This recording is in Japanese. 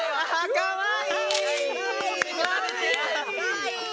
かわいい！